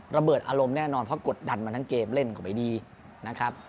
ระเบิดอารมณ์แน่นอนเพราะกดดันมาทั้งเกมเล่นก็ไม่ดีนะครับ